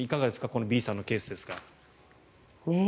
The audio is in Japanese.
このＢさんのケースですが。